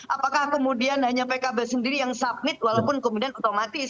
apakah kemudian hanya pkb sendiri yang submit walaupun kemudian otomatis